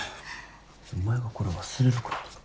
お前がこれ忘れるからだろ。